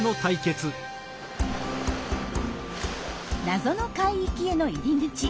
「謎の海域」への入り口